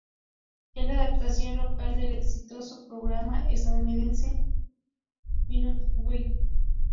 Es la adaptación local del exitoso programa estadounidense ""Minute to Win It"".